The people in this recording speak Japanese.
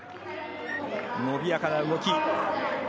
伸びやかな動き。